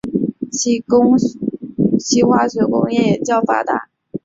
其化学工业也较发达。